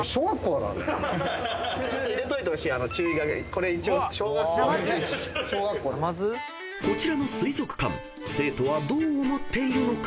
「これ小学校」［こちらの水族館生徒はどう思っているのか？］